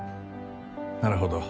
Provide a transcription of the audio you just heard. なるほど。